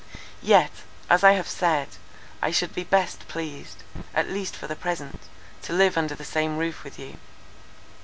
"Yet, as I have said, I should be best pleased, at least for the present, to live under the same roof with you.